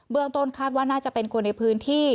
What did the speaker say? ต้นคาดว่าน่าจะเป็นคนในพื้นที่